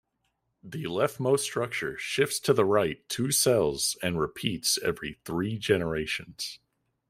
The leftmost structure shifts to the right two cells and repeats every three generations.